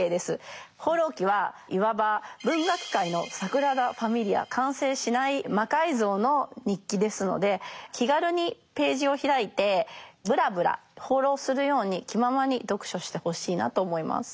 「放浪記」はいわば完成しない魔改造の日記ですので気軽にページを開いてブラブラ放浪するように気ままに読書してほしいなと思います。